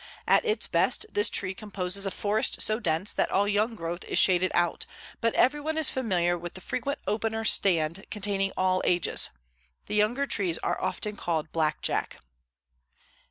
At its best this tree composes a forest so dense that all young growth is shaded out, but everyone is familiar with the frequent opener stand containing all ages. The younger trees are often called blackjack.